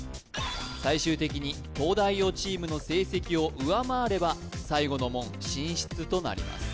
最終的に東大王チームの成績を上回れば最後の門進出となります